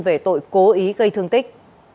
về tội cố ý gây thương tích